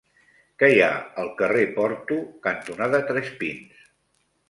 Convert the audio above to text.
Què hi ha al carrer Porto cantonada Tres Pins?